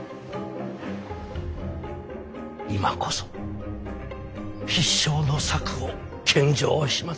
今こそ必勝の策を献上します。